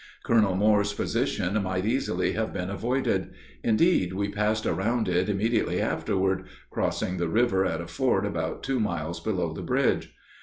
Colonel Moore's position might easily have been avoided; indeed, we passed around it immediately afterward, crossing the river at a ford about two miles below the bridge.